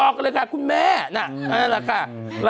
นั่นแหละค่ะ